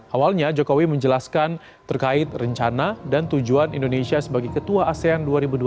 awalnya jokowi menjelaskan terkait rencana dan tujuan indonesia sebagai ketua asean dua ribu dua puluh tiga